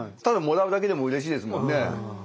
ただもらうだけでもうれしいですもんね。